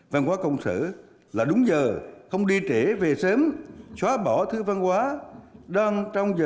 văn hóa công sở là đúng giờ không đi trễ về sớm xóa bỏ thứ văn hóa đang trong giờ